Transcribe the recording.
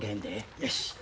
よし。